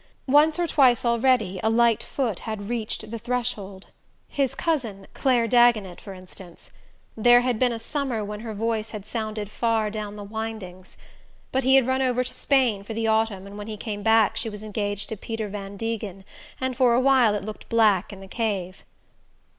Once or twice already a light foot had reached the threshold. His cousin Clare Dagonet, for instance: there had been a summer when her voice had sounded far down the windings... but he had run over to Spain for the autumn, and when he came back she was engaged to Peter Van Degen, and for a while it looked black in the cave.